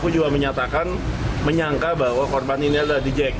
dia menyatakan menyangka bahwa korban ini adalah the jack